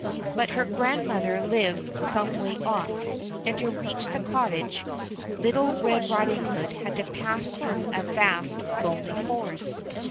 But her grand mother lived some way off, and to reach the cottage little Red Riding Hood had to pass through a vast lonely forest.